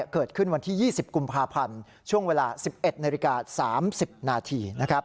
เกิดขึ้นวันที่๒๐กุมภาพันธ์ช่วงเวลา๑๑นาฬิกา๓๐นาที